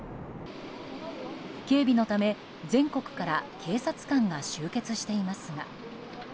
警備のため、全国から警察官が集結していますが。